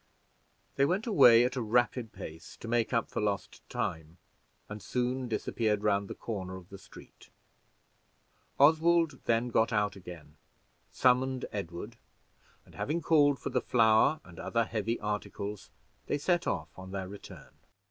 They went away at a rapid pace to make up for lost time, and soon disappeared around the corner of the street. Oswald then got out again, summoned Edward, and having called for the flour and other heavy articles, they set off on their return.